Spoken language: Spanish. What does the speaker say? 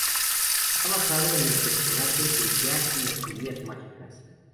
Está basado en el personaje de Jack y las judías mágicas.